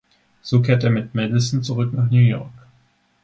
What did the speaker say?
So kehrt er mit Madison zurück nach New York.